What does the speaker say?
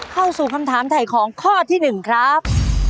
เข้าสู่คำถามถ่ายของข้อที่๑ครับ